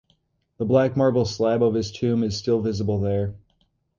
The black marble slab of his tomb is still visible there.